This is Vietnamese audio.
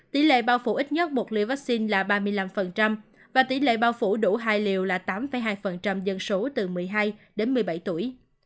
tỷ lệ bao phủ ít nhất một liều vaccine là ba mươi năm và tỷ lệ bao phủ đủ hai liều là tám hai dân số từ một mươi hai đến một mươi bảy tuổi